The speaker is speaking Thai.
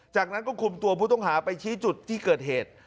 จากนั้นก็คุมตัวผู้ต้องหาไปชี้จุดที่เกิดเหตุ